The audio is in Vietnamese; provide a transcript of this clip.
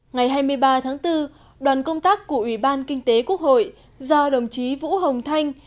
ngày hai mươi ba tháng bốn đoàn công tác của ủy ban kinh tế quốc hội do đồng chí vũ hồng thanh